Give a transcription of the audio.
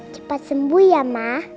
cepat sembuh ya ma